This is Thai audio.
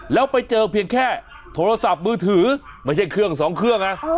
แล้วไปเจอเพียงแค่โทรศัพท์มือถือไม่ใช่เครื่องสองเครื่องไง